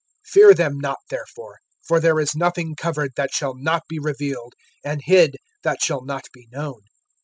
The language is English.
(26)Fear them not therefore; for there is nothing covered that shall not be revealed, and hid that shall not be known.